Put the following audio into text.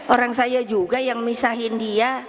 orang saya juga yang misahin dia